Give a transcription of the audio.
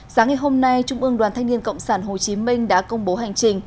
sáng ngày hôm nay trung ương đoàn thanh niên cộng sản hồ chí minh đã công bố hành trình